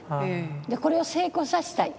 これを成功させたい。